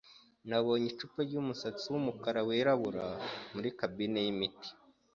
Nabonye icupa ryumusatsi wumukara wirabura muri kabine yimiti.